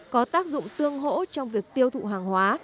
có tác dụng tương hỗ trong việc tiêu thụ hàng hóa